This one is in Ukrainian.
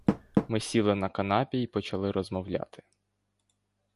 Ми сіли на канапі й почали розмовляти.